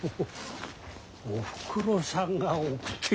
おふくろさんが送ってきたな。